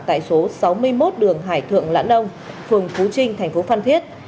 tại số sáu mươi một đường hải thượng lãn ông phường phú trinh thành phố phan thiết